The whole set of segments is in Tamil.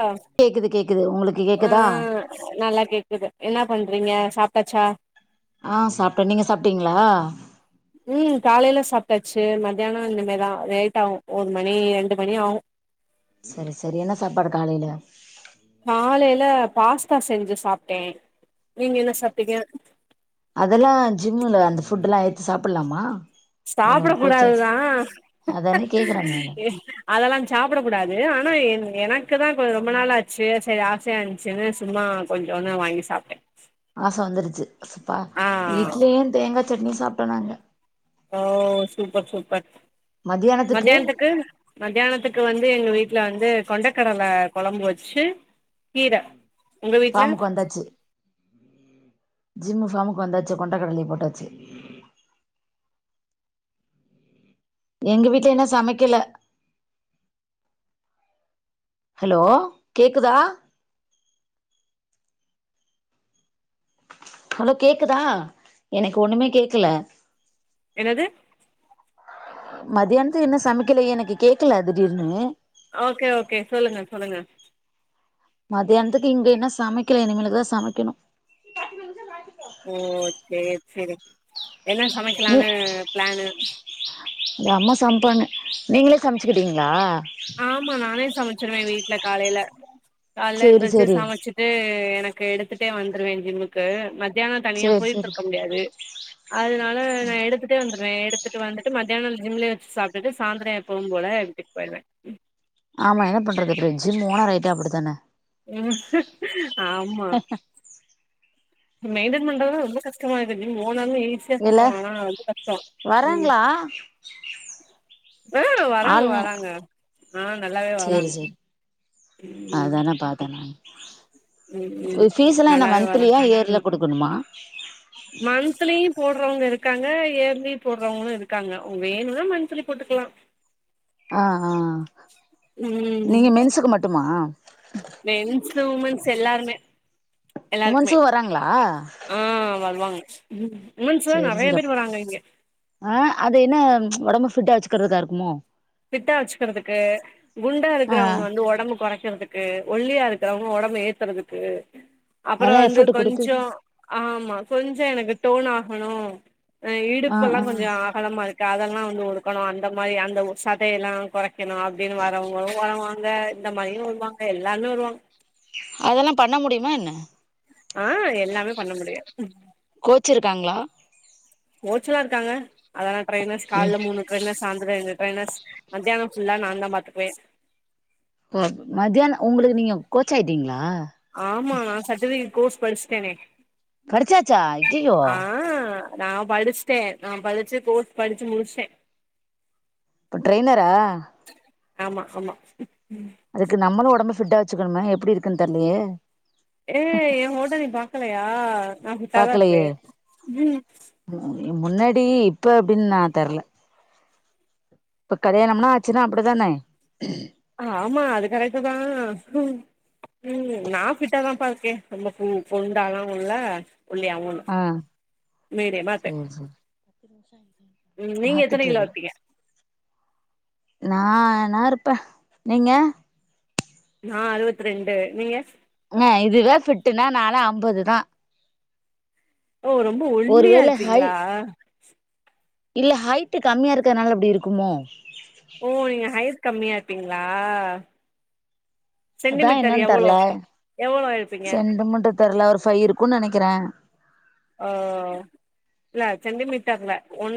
ஆ கேக்குது கேக்குது உங்களுக்கு ஆ கேக்குதா நல்லா கேக்குது என்னா பண்றீங்க சாப்ட்டாச்சா ஆ சாப்ட்டே நீங்க சாப்ட்டீங்களா ம் காலையில சாப்ட்டாச்சு மத்தியான இனிமதா லேட்டாகு ஒரு மணி ரெண்டு மணி ஆகு சரி சரி என்ன சாப்பாடு காலையில காலையில பாஸ்தா செஞ்சு சாப்ட்டே நீங்க என்ன சாப்ட்டீங்க அதெல்லா ஜிம்ல அந்த ஃபுட்ல்லா ஏத்து சாப்பல்லாமா சாப்ட கூடாதுதா அதானே கேக்குறே நானு அதெல்லா சாப்டக்கூடாது ஆனா என் எனக்கு தா கொஞ்ச ரொம்ப நாள் ஆச்சு சரி ஆசயா இருந்துச்சுன்னு சும்மா கொஞ்சோன்னு வாங்கி சாப்ட்டே ஆச வந்துருச்சு சப்பா ஆ இட்லியு தேங்காய் சட்னியு சாப்ட்டோ நாங்க ஓ சூப்பர் சூப்பர் மத்தியானத்துக்கு மதியானத்துக்கு மத்தியானத்துக்கு வந்து எங்க வீட்ல வந்து கொண்டைக்கடல கொழம்பு வச்சு கீர உங்க வீட்ல ஃபாம்முக்கு வந்தாச்சு ஜிம்மு ஃபாம்முக்கு வந்தாச்சு கொண்ட கடல போட்டாச்சு எங்க வீட்ல இன்னு சமைக்கல ஹலோ கேக்குதா ஹலோ கேக்குதா எனக்கு ஒன்னுமே கேக்கல என்னது மத்யானத்துக்கு இன்னு சமைக்கலயே எனக்கு கேக்கல அ திடீர்னு ஓகே ஓகே சொல்லுங்க சொல்லுங்க மத்தியானத்துக்கு இங்க இன்னு சமைக்கல இனிமேலு தா சமைக்கணு பத்து நிமிஷ [unintelligible] போ ஓ சரி சரி என்னா சமைக்கலான்னு ப்ளான்னு அத அம்மா சம்ப்பாங்க நீங்களே சமைச்சுக்கிட்டீங்களா ஆமா நானே சமைச்சிருவே வீட்ல காலையில காலையில சேரி எந்திரிச்சி சேரி சமைச்சு து எனக்கு எடுத்துட்டே வந்துருவே ஜிம்முக்கு மத்தியா தனியா சேரி சேரி போயிட்ருக்க முடியாது அதனால நா எடுத்துட்டே வந்துருவே எடுத்துட்டு வந்துட்டு மத்தியான ஜிம்லயே வச்சு சாப்ட்டுட்டு சாயந்தர எப்பவும் போல இப்ப இல்ல ஆமா என்ன பண்றது அப்பற ஜிம் போன ரைட்டா அப்படித்தான ஆமா மெயின்டென் பண்றதுதா ரொம்ப கஷ்டமாருக்கு நீ போனாலு ஈஸியா சொல்லுவாங்க ஆனா அது கஷ்ட ம் ஆ ஆ வராங்க வராங்க ஆ நல்லாவே வராங்க ம் ஆதான பாத்தே நானு ம் ம் ஃபீஸ் எல்லா என்ன நல்லாவே வராங்க மந்த்திலியா இயர்ல குடுக்கணுமா மந்த்லியு போடுறவங்க இருக்காங்க ஏர்லி போடுறவங்களு இருக்காங்க வேணும்னா மந்த்லி போட்டுக்கலா [inaudible] ஆ ஆ ம் நீங்க மென்ஸ்சுக்கு மட்டுமா மென்ஸ்சு உமென்ஸ் எல்லாருமே எல்லாருக்குமே உமன்ஸ்சு வராங்களா ஆ வருவாங்க உமென்ஸ் தா சேரி நெறைய சேரி அப் பேர் வராங்க இங்க ஆ அது என்ன ஒடம்பு பிட்டா வச்சுக்கறதுக்கா இருக்குமோ பிட்டா வச்சுக்கிறதுக்கு குண்டா ஆ இருக்கிறவங்க வந்து ஒடம்பு கொறைக்கிறதுக் கு ஒல்லியா இருக்கிறவங்க ஒடம்பு ஏத்துறதுக்கு அப்பற அதெல்லா வந்து எஃபர்ட் குடுத்து கொஞ்ச ஆமா கொஞ்ச எனக்கு டோன் ஆகணு ஆ இடுப்பெல்லா கொஞ்ச அ அலமா இருக்கு அதெல்லா வந்து ஒடுக்கணு அந்த மாரி அந்த ஒ சதையெல்லா கொறைக்கணு அப்டின்னு வரவங்களு வருவாங்க இந்த மாரியு வருவாங்க எல்லாருமே வருவாங் அதெல்லா பண்ண முடியுமா என்ன ஆ எல்லாமே பண்ண முடியு ம் கோச் இருக்காங்ளா கோச்சுலா இருக்காங்க அதலா ட்ரெயினெர்ஸ் ம் கால்ல மூணு ட்ரைனெஸ் சாந்தரு ரெண்டு ட்ரைனெஸ் மத்தியானம் ஃபுல்லா நாந்தா பாத்துக்குவே ப்போ மத்தியான உங்களுக்கு நீங்க கோச் ஆயிட்டீங்ளா ஆமா நா சட்டிவிகேட் கோஸ் படிஷ்டேனே படிச்சாச்சா ஐயையோ ஆ நா படிஷ்ட்டே நா படிச்சு கோஸ் படிச்சு முடிச்சிடே இப்ப ட்ரைனரா ஆமா ஆமா ம்க்ம் அதுக்கு நம்மளு ஒடம்ப ஃபிட்டா வெச்சுக்கணுமா எப்படி இருக்கன் தெர்லையே ஏ எ ஃபோட்டோ நீ பாக்கலையா நா ஃபிட்டா தா இருப்பே பாக்கலையே ம் முன்னாடி இப்ப எப்டின் நா தெர்ல இப்ப கலயாணம்னா ஆச்சுன்னா அப்படிதானே ஆமா அது கரெக்ட்டுதா ம் ம் நா ஃபிட்டாதாம்பா இருக்கே ரொம்ப குண் குண்டாலா இல்லா ஒல்லியாவு இல் ஆ சேர் செரி ம் நீங்க எத்தன கிலோ இருப்பீங்க நா நா இருப்பே நீங்க நா அறுவத்துரெண்டு நீங்க ஆ இதுதா ஃபிட்டுனா நாளா அம்பதுதா ஓ ரொம்ப ஒ ஒருவேல ஹை இல்ல ஹைட்டு கம்மியா இருக்கற்னால அப்டி இருக்குமோ ஓ நீங்க ஹைட் கம்மியா இர்ப்பீங்ளா அதா சென்டிமீட்டர் என்னன்னு எவ்வளோ தெர்ல எவ்வளோ இருப்பீங்க தெர்லா ஒரு ஃபை இருக்குன் நெனைக்கிறே அ இல்ல சென்டிமீட்டர்ல one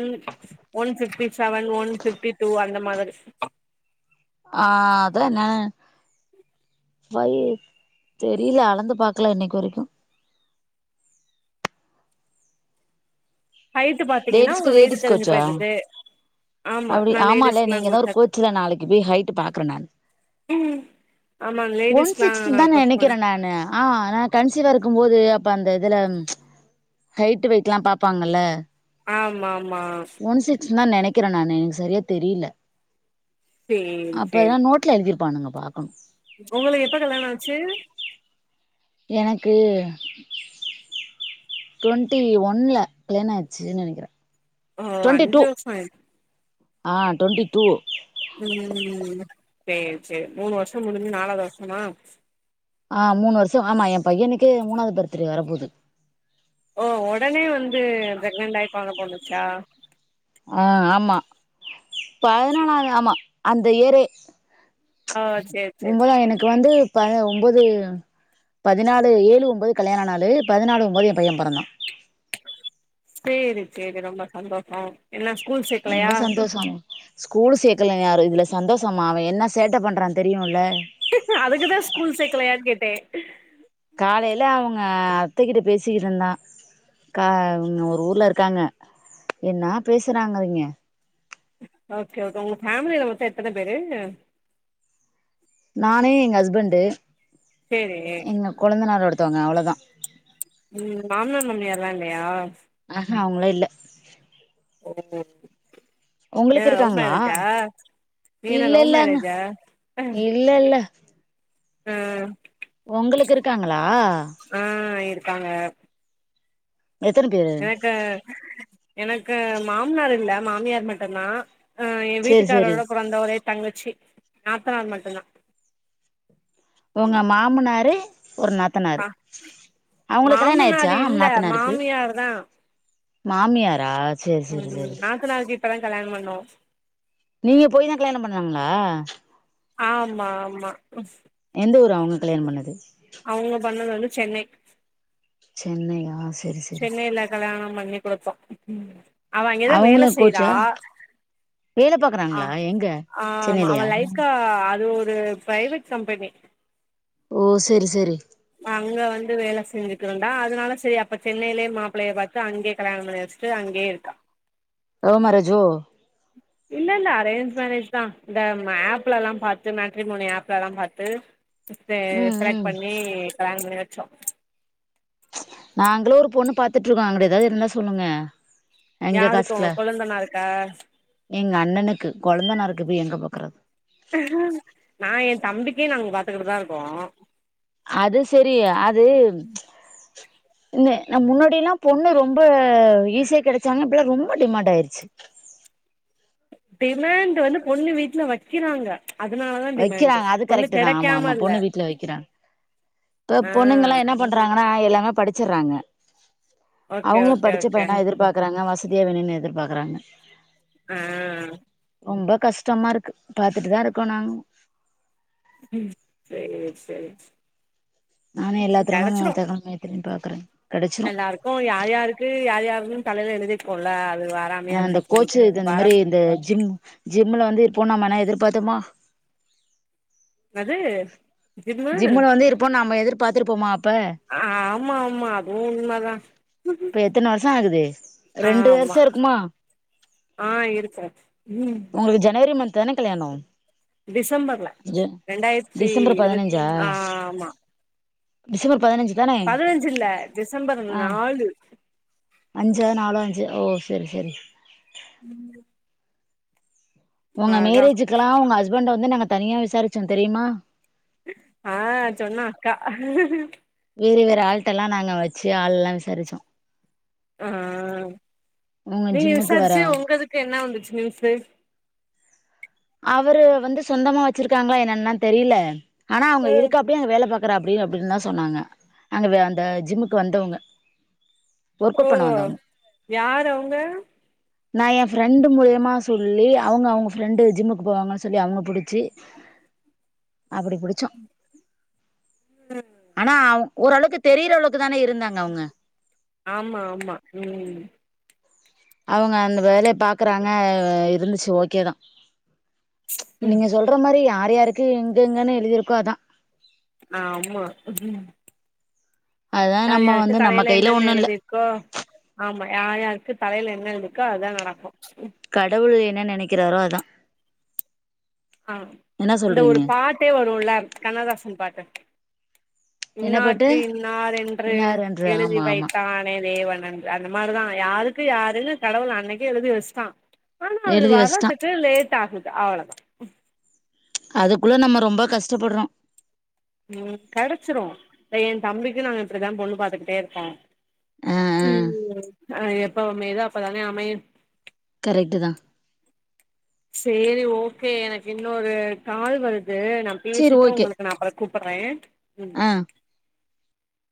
one fifty seven one fifty two அந்த மாதரி ஆ அதுல ந ஃபை தெரியல அளந்து பாக்கல இன்னைக்கு வரைக்கு ஹைட்டு பாத்தீங்கன்னா உங்க லேடீஸ்க்கு வெயிட்டு லேடீஸ் தெரிஞ்சு கோச்சா போயிடுது ஆமா அப்டி நா ஆமால லேடிஸ்க்குலா நீங்கதா ஒரு கோச்சாக்கு கோச்சில நாளைக்கு போய் ஹைட்டு பாக்குற நானு ம் ஆமா ஒன் லேடிஸ்க்குலா சிக்ஸ்ட்டி நா தா கோச் பண்ண நெனைக்கிறே நானு ஆ ஆனா கன்சிவா இருக்கும்போது அப்ப அந்த இதுல ஹைட்டு வெயிட்லா பாப்பாங்கல்ல ஆமா ஆமா ஒ சிக்ஸ்ன்தா நெனைக்கிறே நானு செரியா தெரியில சேரி அப்பதா சேரி நோ ட்ல எழுதிருப்பானுங்க பாக்கணு உங்களுக்கு எப்ப கல்யாண ஆச்சு எனக்கு டொன்ட்டி ஒன்ல கல்யாண ஆச்சின் நெனைக்கிறே ஓ டுவெண்ட்டி அஞ்சு டூ வர்ஷோ ஆய் ஆ டொண்ட்டி டூ ம் சேரி சேரி மூணு வர்ஷோ முடிஞ்சு நாலாவ்து வர்ஷமா? ஆ மூணு வர்ஷோ ஆமா எ பையனுக்கே மூணாவ்து பர்த்டே வர போது. ஓ ஒடனே வந்து ப்ரெக்னென்ட் ஆயி கொழந்த பொறந்துருச்சா? ஆ ஆமா இப்ப அதனால அது ஆமா அந்த ஏரே ஆ சே ஒம்பொதா எனக்கு வந்து ப ஒம்போது பதினாலு ஏழு ஒம்போது கல்யாண நாலு பதினாலு ஒம்போது எ பைய பெறந்தா. சேரி சேரி ரொம்ப சந்தோஷோ என்ன ஸ்கூல் சேக்கலையா? ஸ்கூலு சேக்கல இன்னு யாரு இதுல சந்தோஷமா அவ என்ன சேட்ட பண்றா தெரியுல்ல. அதுக்குதா ஸ்கூல் சேக்கலையான் கேட்டே. காலைல அவுங்க அத்தகிட்ட பேசிக்கிட்ருந்தா. கா அவுங்க ஒரு ஊர்லருக்காங்க. என்னா பேசுறாங்க அவிங்க. ஓகே ஓக் உங்க ஃபேமிலில மொத்தோ எத்தன பேரு? நானு எங்க ஹஸ்பண்டு சேரி. எங்க கொழுந்தனார் ஒருத்தவங்க அவ்ளதா. ம் மாம்னார் மாமியார்லா இல்லையா? ஆஹ அவுங்கள்லா இல்ல. ஓ ஏ உங்களுக்கு லவ் இருக்காங்களா மேரேஜா நீங்க என்ன லவ் மேரேஜா? இல்லல்ல. அ. ஒங்களுக்கு இருக்காங்களா? அ இருக்காங்க. எத்தன பேரு? எனக்கு எனக்கு மாம்னார் இல்ல மாமியார் மட்டுந்தா. அ எ சேரி சேரி வீட்டுக்காரோட பொறந்த ஒரே தங்கச்சி நாத்தனார் மட்டுந்தா. உங்க மாமனாரு ஒரு நா த்தனாரு, ஆ அவுங்குளுக் கல்யாணாயிருச்சா மாமனார் இல்ல நாத்தனாருக்கு? மாமியார் தா மாமியாரா? சேரி ம் சேரி ம் சேரி நாத்தனாருக் இப்பதா கல்யாணம் பண்ணோ. நீங்க போயிதா கல்யாணம் பண்ணாங்களா? ஆமா ஆமா ம். எந்த ஊரு அவுங்க கல்யாணம் பண்ணது? அவுங்க பண்ணது வந்து சென்னை. சென்னையா ஸ் சென்னைல கல்யாணம் பண்ணி குடுத்தோ. அவ அங்யேதா வேல அவங்களு செய்றா. கோச்சா வேல அ பாக்குறாங்களா எங்க ஆமா அவ சென்னையிலயா லைஃப்கா அது ஒரு பிரைவேட் கம்பெனி. ஓ செரி செரி. அங்க வந்து வேல செஞ்சு கிருந்தா அதுனால சேரி அப்ப சென்னைலியே மாப்பிளைய பாத்து அங்யே கல்யாணம் பண்ணியாச்சு. ட்டு அங்யே இருக்கா. லவ் மேரேஜோ? இல்ல இல்ல அரேஞ்ச் மேரேஜ்தா. இந்தம் ஆப்லெல்லாம் பாத்து மேட்ரிமோனி ஆப்லெல்லாம் பாத்து தே ம் செலக்ட் ம் பண்ணி கல்யாண பண்ணி வச்சோ நாங்களு ஒரு பொண்ணு பாத்துட்ருக்கோ அங்குட்டு எதாது இருந்தா சொல்லுங்க எங்க யாருக்கு காசுல உங்க கொழுந்தனாருக்கா எங்க அண்ணனுக்கு கொழுந்தனாருக்கு போய் எங்க பாக்குறது நா எ தம்பிக்கே நாங்க பாத்துக்குட்டுதா இருக்கோ அது செரி அது ந்து நம் முன்னாடியில்லா பொண்ணு ரொம்ப ஈஸியா கெடச்சாங்க இப்பல்லா ரொம்ப டிமாண்ட் ஆயிருச்சு டிமாண்ட் வந்து பொண்ணு வீட்ல வக்கிறாங்க வக்கிறாங்க அது கரெக்ட்டுதா ஆமா ஆமா இல்ல பொண்ணு வீட்ல வக்கிறாங் இப்ப ஆ பொண்ணுங்கல்லா என்ன பண்றாங்கனா எல்லாமெ படிச்சறாங்க ஓகே அவ்ங்களு ஓகே படிச்ச ஓகே பையனா எதிர்பாக்குறாங்க வசதியா வேணுன்னு எதிர்பாக்குறாங்க அ ரொம்ப கஷ்டமாருக்கு பாத்துட்டுதா இருக்கோ நாங் ம் நானு எல்லாத்ரோனு [unintelligible] பாக்குறே கெடைச்சிரு எல்லாருக்கு யார் யாருக்கு யார் யாருனு தலைல எழுதிக்கூல அதுவா அ அந்த கோச்சு தந்த மாரி இந்த ஜிம் ஜிம்முல வந்து போனாமானா எதிர்பாத்தமா என்னது ஜிம்மு ப்ப நம்ம எதிர்பாத்துருப்போமா அப்ப ஆ ஆமா ஆமா அதுவு உண்மதா இப்ப எத்தன வருஷோ ஆகுது ரெண்டு வருஷ ஆமா இருக்குமா ஆ இருக்கு ம் உங்களுக் ஜனவரி மன்த் தானே கல்யாணோ டிசம்பர்ல ஜ ரெண்டாயிர்த்தி டிசம்பர் இருவத் பதினஞ்சா அ ஆமா டிசம்பர் பதினஞ்சு தானே பதினஞ்சில்ல டிசம்பர் ஆ நாலு அஞ்சா நாலோ அஞ்சு ஓ சேரி சேரி [inaudible] ஒன்ன அதா மேரேஜுக்கலா உங்க ஹஸ்பண்ட வந்து நாங்க தனியா விசாரிச்சோ தெரியுமா ஆ சொன்னா அக்கா வேற வேற ஆள்ட்டல்லா நாங்க வச்சு ஆள்லா விசாருச்சோ ஆ அ உங்க நீங்க ஜிம்முக்கு வர விசாரிச்சு உங்கதுக்கு என்ன வந்துச்சு நியூஸு அவரு வந்து சொந்தமா வச்சிருக்காங்ளா என்னான்லா தெரியில ஆனா அவ்ங்க ம் இருக்கப் ப்டி அங்க வேல பாக்குற அப்டி அப்டின்தா சொன்னாங்க அங்க வே அந்த ஜிம்முக்கு வந்தவங்க ஒர்க்கவுட் ஓ பண்ண வந்தவங்க யாரு அவங்க நா ஏ ஃப்ரெண்டு் மூலியமா சொல்லி அவங்க அவங்க ஃப்ரெண்டு ஜிம்முக்கு போவாங்கனு சொல்லி அவங்க புடிச்சி அப்டி புடிச்சோ ம் ஆனா அவ் ஓரளவுக்கு தெரியிற அளவுக்கு தான இருந்தாங்க அவங்க ஆமா ஆமா ம் அவங்க அந்த வேலைய பாக்கறாங்க இருந்துச்சு ஓகேதா ம் நீங்க சொல்ற மாரி யார் யாருக்கு எங்க எங்கன்னு எழுதிருக்கோ அதா ஆமா அதா யார் நம்ம யாருக்கு வந்து நம்ம தலைல கையில என்னென்ன ஒண்ணு இல்ல எழுதிரு க்கோ ஆமா யார் யாருக்கு தலேல என்ன எழுதிருக்கோ அதா நடக்கு ம் கடவுள் என்ன நெனக்கிறாரோ அதா ஆ என்ன அந்த ஒரு சொல்றீங்க பாட்டே வருல கண்ணதாசன் பாட்டு என்ன பாட்டு இன்னார்க்கு இன்னார் என்று இன்னார் என்று எழுதி ஆமா ஆமா வைத்தானே தேவன் அன் று அந்த மாரிதா யாருக்கு யாருனு கடவுள் அன்னைக்கே எழுதி வச்சிட்டா ஆனா அது எழுதி வச்சுட்டா வரதுக் கு லேட் ஆகுது அவ்ளதா அதுக்குள்ள நம்ம ரொம்ப கஷ்டப்படுறோ ம் கெடச்சிரும் என் தம்பிக்கு இப்டித்தா பொண்ணு பாத்துக்கிட்டே இருக்கோ ஆ ஆ ம் அ எப்ப அமைதோ அப்பதான அமையு கரெட்டு தா சேரி ஓகே எனக்கு இன்னொரு கால் வருது நம் சேரி பேசிட்டு ஓகே உங்களுக்கு நா அப்பற கூப்றே ம் ஆ